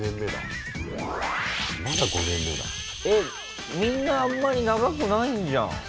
えっみんなあんまり長くないんじゃん。